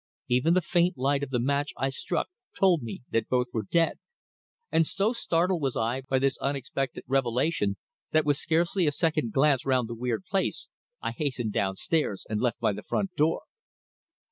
Even the faint light of the match I struck told me that both were dead, and so startled was I by this unexpected revelation that with scarcely a second glance round the weird place I hastened downstairs and left by the front door."